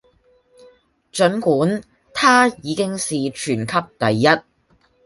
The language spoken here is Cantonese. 儘管她已經是全級第一